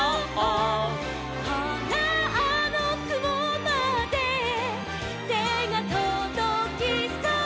「ほらあのくもまでてがとどきそう」